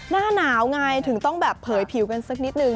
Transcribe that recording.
หน้าหนาวไงถึงต้องแบบเผยผิวกันสักนิดนึง